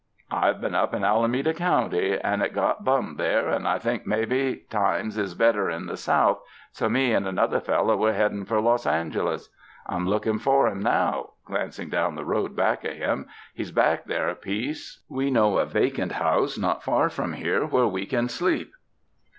I've been up in Alameda County, and it got bum there, and I think mebbe times is better in the south, so me and another fel low we're headin' for Los Angeles. I'm looking for him now" — glancing down the road back of him — "he's back there a piece. We know a wacant house, not far from here, where we can sleep."